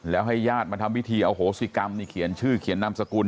แล้วให้ญาติมาทำพิธีอโหสิกรรมนี่เขียนชื่อเขียนนามสกุล